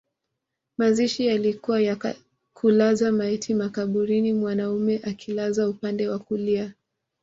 Mazishi yalikuwa ya kulaza maiti makaburini mwanaume akilazwa upande wa kulia